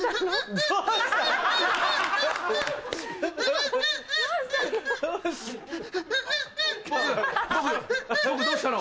ボクどうしたの？